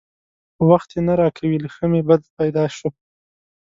په وخت یې نه راکوي؛ له ښه مې بد پیدا شو.